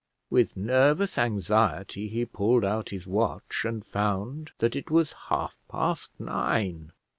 With nervous anxiety he pulled out his watch, and found that it was half past nine.